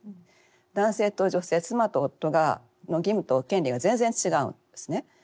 男性と女性妻と夫の義務と権利が全然違うんですね。